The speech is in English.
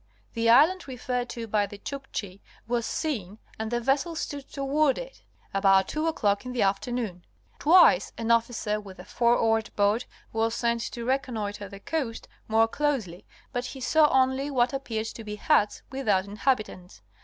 The island referred to by the Chukchi was seen and the vessel stood toward it, about two o'clock in the afternoon. Twice, an officer with a four oared boat was sent to reconnoiter the coast more closely, but he saw only what appeared to be huts without inhabitants (C.).